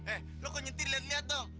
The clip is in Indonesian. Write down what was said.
eh lu kok nyetir liat liat dong